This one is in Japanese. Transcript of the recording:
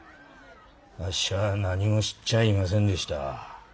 あっしは何も知っちゃいませんでした。